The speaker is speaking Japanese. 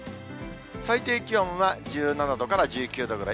最低気温は１７度から１９度くらい。